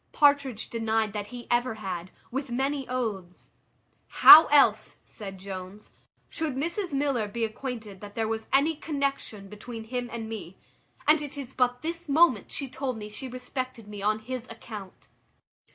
Partridge denied that he ever had, with many oaths. "How else," said Jones, "should Mrs Miller be acquainted that there was any connexion between him and me? And it is but this moment she told me she respected me on his account."